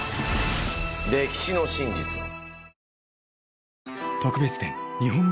歴史の真実を。